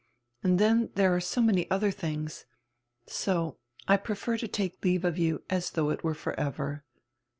And then there are so many other tilings. So I prefer to take leave of you as though it were forever."